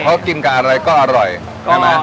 เขากินกับอะไรก็อร่อยใช่ไหม